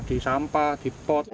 di sampah di pot